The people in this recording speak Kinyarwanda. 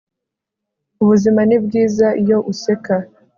ubuzima ni bwiza iyo useka